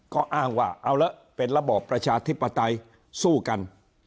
ก็อ้างว่าเอาละเป็นระบอบประชาธิปไตยสู้กัน